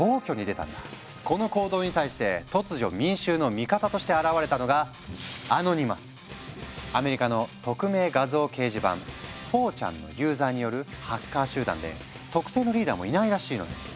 この行動に対して突如民衆の味方として現れたのがアメリカの匿名画像掲示板「４ｃｈａｎ」のユーザーによるハッカー集団で特定のリーダーもいないらしいのよ。